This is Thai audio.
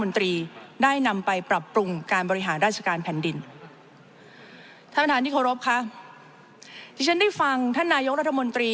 ท่านพระมันธานที่ขโรภค่ะที่ฉันได้ฟังแท่นายกรัฐมนตรี